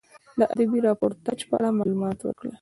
د ادبي راپورتاژ په اړه معلومات ورکړئ.